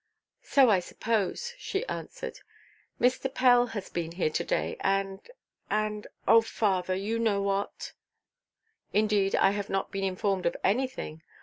"So I suppose," she answered. "Mr. Pell has been here to–day, and—and—oh, father, you know what." "Indeed I have not been informed of anything.